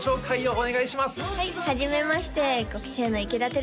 お願いします